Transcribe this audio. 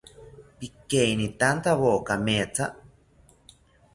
Pikeinistantawo kametha